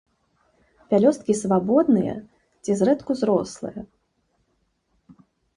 Пялёсткі свабодныя ці зрэдку зрослыя.